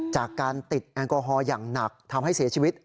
จากการติดแอลกอฮอล์อย่างหนักทำให้เสียชีวิต